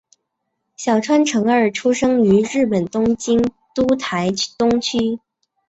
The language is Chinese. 小川诚二出生于日本东京都台东区。